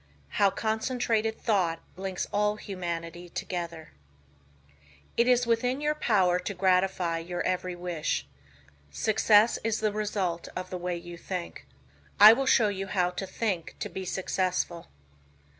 HOW CONCENTRATED THOUGHT LINKS ALL HUMANITY TOGETHER It is within your power to gratify your every wish. Success is the result of the way you think. I will show you how to think to be successful.